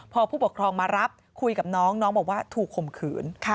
พอผู้ปกครองมารับคุยกับน้องน้องบอกว่าถูกข่มขืน